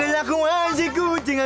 oke banget pokoknya